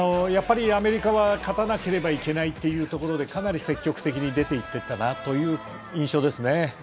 アメリカは勝たなければいけないというところでかなり積極的に出て行っていったなという印象ですね。